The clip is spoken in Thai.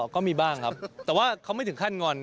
ก็มีบ้างครับแต่ว่าเขาไม่ถึงขั้นงอน